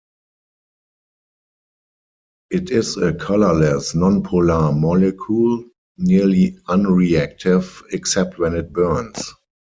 It is a colorless, non-polar molecule, nearly unreactive except when it burns.